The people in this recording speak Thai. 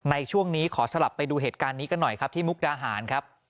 ในช่วงนี้ขอสลับไปดูเหตุการณ์นี้กันหน่อยครับที่มุกดาหารครับ